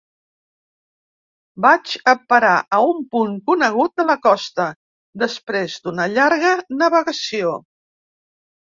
Vaig a parar a un punt conegut de la costa, després d'una llarga navegació.